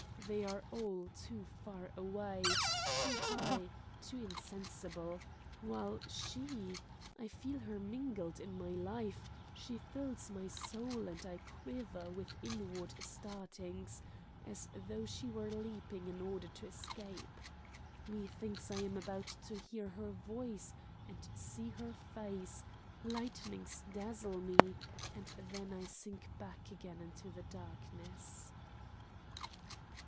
they are all too far away, too high, too insensible, while she—I feel her mingled in my life; she fills my soul, and I quiver with inward startings, as though she were leaping in order to escape. Methinks I am about to hear her voice, and see her face, lightnings dazzle me and then I sink back again into the darkness."